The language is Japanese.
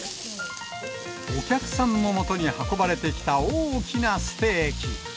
お客さんのもとに運ばれてきた大きなステーキ。